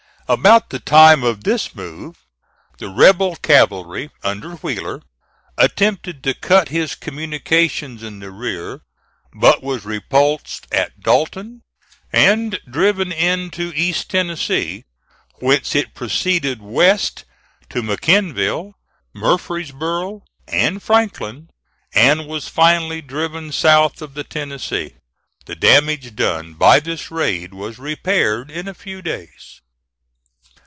About the time of this move, the rebel cavalry, under Wheeler, attempted to cut his communications in the rear, but was repulsed at Dalton, and driven into East Tennessee, whence it proceeded west to McMinnville, Murfreesboro, and Franklin, and was finally driven south of the Tennessee. The damage done by this raid was repaired in a few days.